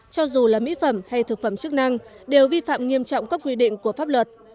cho dù là mỹ phẩm hay thực phẩm chức năng đều vi phạm nghiêm trọng các quy định của pháp luật